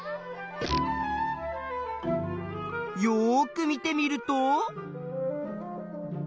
よく見てみると。